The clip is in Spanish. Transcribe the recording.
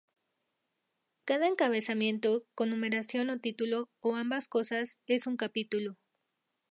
Cada encabezamiento, con numeración o título, o ambas cosas, es un capítulo.